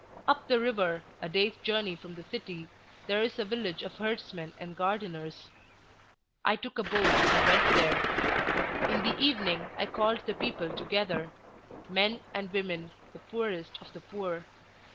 "Up the river, a day's journey from the city, there is a village of herdsmen and gardeners. I took a boat and went there. In the evening I called the people together, men and women, the poorest of the poor.